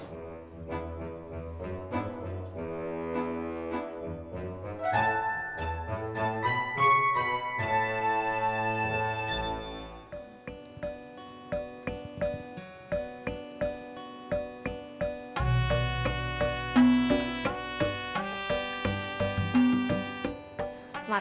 tanah sakit boleh gak